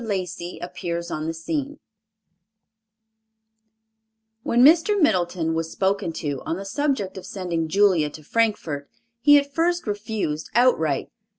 LACEY APPEARS UPON THE SCENE When Mr. Middleton was spoken to on the subject of sending Julia to Frankfort, he at first refused outright.